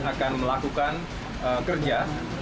akan melakukan kerja